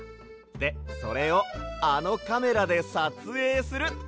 でそれをあのカメラでさつえいする！